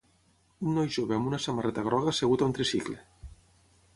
Un noi jove amb una samarreta groga assegut a un tricicle.